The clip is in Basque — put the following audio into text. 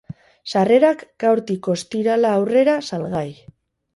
Sarrerak, gaurtik, ostirala, aurrera salgai.